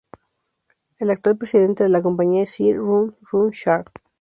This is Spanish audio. El actual presidente de la compañía es Sir Run Run Shaw.